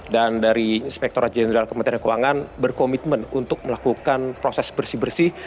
dan dari inspekturat jenderal kementerian keuangan berkomitmen untuk melakukan proses bersih bersih